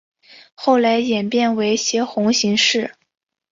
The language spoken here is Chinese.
后来演变为斜红型式。